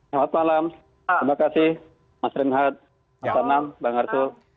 selamat malam terima kasih mas renhad ca'anam bang arsul